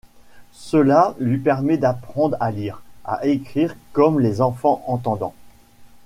Cela lui permet d’apprendre à lire, à écrire comme les enfants entendants.